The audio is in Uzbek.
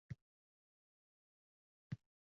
Va endi talablar yana kuchaytirilmoqda